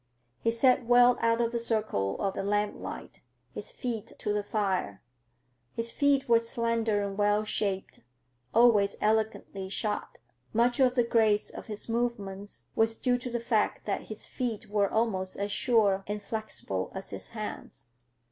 He sat well out of the circle of the lamplight, his feet to the fire. His feet were slender and well shaped, always elegantly shod. Much of the grace of his movements was due to the fact that his feet were almost as sure and flexible as his hands.